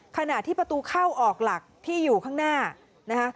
ขณะที่ประตูเข้าออกหลักที่อยู่ข้างหน้านะคะ